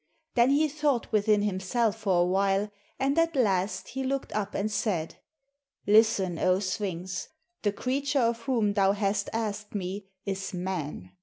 Then he thought within himself for a while, and at last he looked up and said, "Listen, 0 Sphinx: the creature 7 GREECE of whom thou hast asked me is man.